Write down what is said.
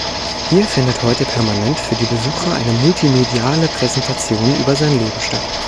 Hier findet heute permanent, für die Besucher, eine multimediale Präsentation über sein Leben statt.